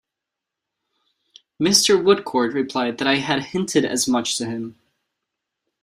Mr. Woodcourt replied that I had hinted as much to him.